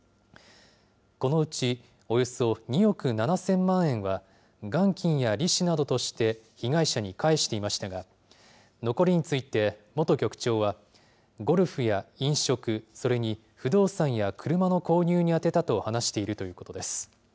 このうち、およそ２億７０００万円は、元金や利子などとして、被害者に返していましたが、残りについて、元局長は、ゴルフや飲食、それに不動産や車の購入に充てたと話しているということです。